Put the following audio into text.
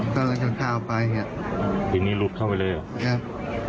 งั้นน่ะคาบไปครับ